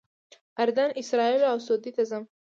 اردن، اسرائیلو او سعودي ته ځم.